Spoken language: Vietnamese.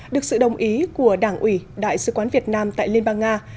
được sự đồng ý của đảng ủy đại sứ quán việt nam tại liên bang nga